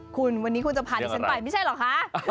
คุณวันนี้คุณจะพาดิฉันไปไม่ใช่เหรอคะ